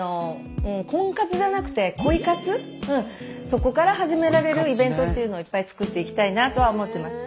そこから始められるイベントっていうのをいっぱい作っていきたいなとは思ってます。